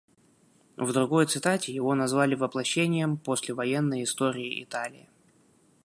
В другой цитате его назвали «воплощением послевоенной истории Италии».